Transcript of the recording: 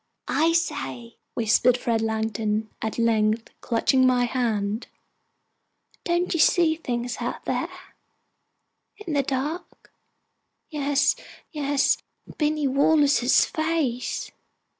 "I say," whispered Fred Langdon, at length, clutching my hand, "don't you see things out there in the dark?" "Yes, yes Binny Wallace's face!"